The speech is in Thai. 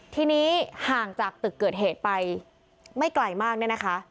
ทีนี้ห่างจากตึกเกิดเหตุไปไม่ไกลมากเนี่ยนะคะ